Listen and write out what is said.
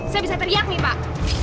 saya bisa teriak nih pak